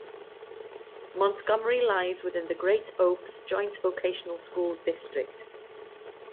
Montgomery lies within the Great Oaks joint vocational school district.